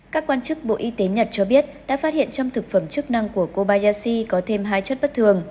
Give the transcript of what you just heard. các quan chức bộ y tế nhật cho biết đã phát hiện trong thực phẩm chức năng của kobayashi có thêm hai chất bất thường